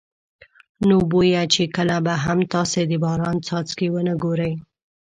نو بویه چې کله به هم تاسې د باران څاڅکي ونه ګورئ.